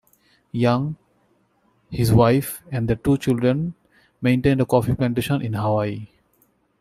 Young, his wife and their two children maintained a coffee plantation in Hawaii.